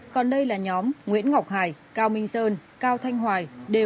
còn đây là nhóm nguyễn ngọc hải cao minh sơn cao thanh hoài